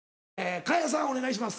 嘉屋さんお願いします。